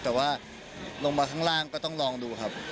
แต่ว่าลงมาข้างล่างก็ต้องลองดูครับ